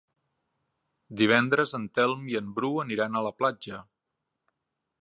Divendres en Telm i en Bru aniran a la platja.